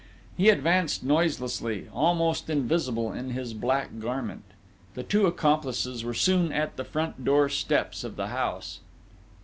He advanced noiselessly, almost invisible in his black garment. The two accomplices were soon at the front door steps of the house.